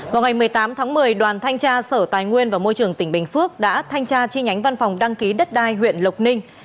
vào ngày một mươi tám tháng một mươi đoàn thanh tra sở tài nguyên và môi trường tỉnh bình phước đã thanh tra chi nhánh văn phòng đăng ký đất đai huyện lộc ninh